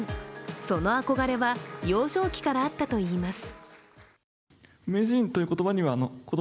その憧れは幼少期からあったといいます。